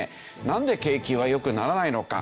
なんで景気は良くならないのか？